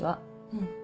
うん。